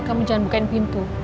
kamu jangan bukain pintu